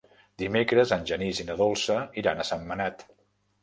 Dimecres en Genís i na Dolça iran a Sentmenat.